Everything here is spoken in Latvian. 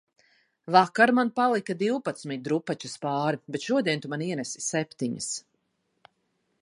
Vakar man palika divpadsmit drupačas pāri, bet šodien tu man ienesi septiņas